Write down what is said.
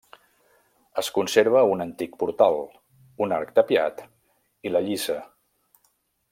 Es conserva un antic portal, un arc tapiat i la lliça.